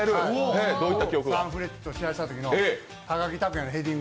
サンフレッチェと試合したときの高木琢也のヘディング。